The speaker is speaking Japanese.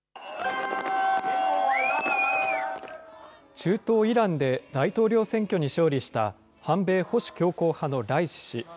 中東イランで、大統領選挙に勝利した、反米・保守強硬派のライシ師。